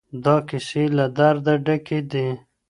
دا کيسې له درده ډکې دي.